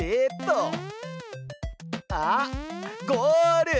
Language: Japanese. あっゴール！